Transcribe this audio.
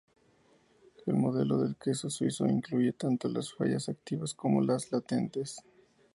El modelo del queso suizo incluye tanto las fallas activas como las latentes.